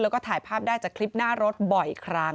แล้วก็ถ่ายภาพได้จากคลิปหน้ารถบ่อยครั้ง